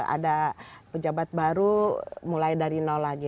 ada pejabat baru mulai dari nol lagi